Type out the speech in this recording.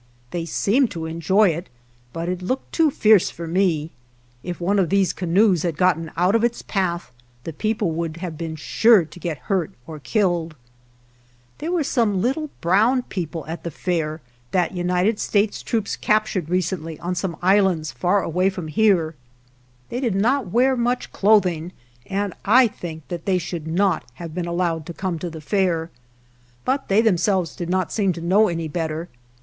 3 They seemed to enjoy it, but it looked too fierce for me. If one of these canoes had gone out of its path the peo ple would have been sure to get hurt or killed. There were some little brown people 4 at the Fair that United States troops captured « Shooting the Chute. * Iggorrotes from the Philippines. 204 AT THE WORLD'S FAIR recently on some islands far away from here. They did not wear much clothing, and I think that they should not have been allowed to come to the Fair. But they themselves did not seem to know any better.